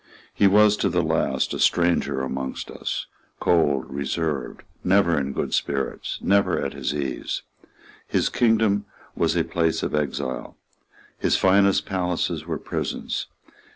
He was to the last a stranger amongst us, cold, reserved, never in good spirits, never at his ease. His kingdom was a place of exile. His finest palaces were prisons.